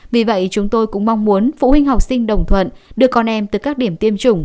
vì vậy chúng tôi cũng mong muốn phụ huynh học sinh đồng thuận đưa con em từ các điểm tiêm chủng